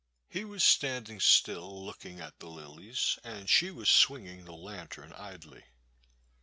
He was standing still, looking at the lilies, and she was swinging the lantern idly.